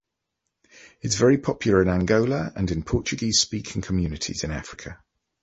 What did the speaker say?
It’s very popular in Angola and in Portuguese-speaking communities in Africa.